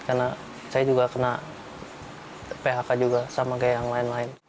karena saya juga kena phk juga sama kayak yang lain lain